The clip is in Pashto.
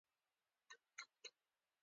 • انګور د عصبي فشار کمولو کې مرسته کوي.